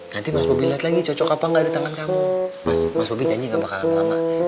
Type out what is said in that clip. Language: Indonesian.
nanti mas bobi liat lagi cocok apa gak ada tangan kamu mas bobi janji gak bakalan lama